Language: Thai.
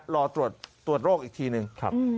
รอตรวจโรคอีกทีนึงครับ